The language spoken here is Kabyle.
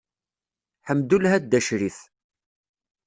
Ḥemdullah a Dda Crif.